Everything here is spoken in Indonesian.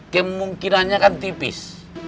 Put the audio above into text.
kemungkinannya kan tipis